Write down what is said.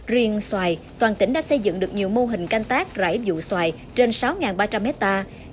riêng xoài toàn tỉnh đã xây dựng được nhiều mô hình canh tác rải dụ xoài trên sáu ba trăm linh hectare